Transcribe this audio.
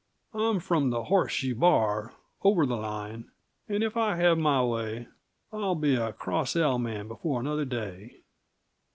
I'm from the Horseshoe Bar, over the line, and if I have my way, I'll be a Cross L man before another day."